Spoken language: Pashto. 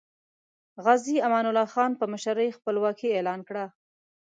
غازی امان الله خان په مشرۍ خپلواکي اعلان کړه.